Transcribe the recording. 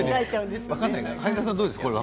はいださん、どうですか？